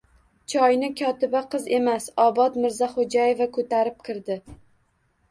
Choyni kotiba qiz emas... Obod Mirzaxo‘jaeva ko‘tarib kirdi.